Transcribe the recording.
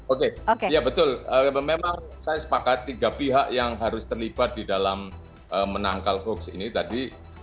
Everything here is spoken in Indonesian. oke ya betul memang saya sepakat tiga pihak yang harus terlibat di dalam menangkal hoax ini tadi